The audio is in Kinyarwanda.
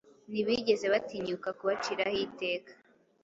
ntibigeze batinyuka kubaciraho iteka.